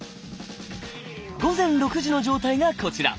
午前６時の状態がこちら。